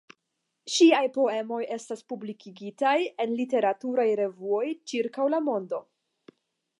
Ŝiaj poemoj estas publikigitaj en literaturaj revuoj ĉirkaŭ la mondo.